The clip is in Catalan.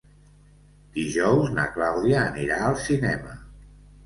Dijous na Clàudia anirà al cinema.